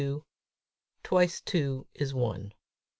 TWICE TWO IS ONE.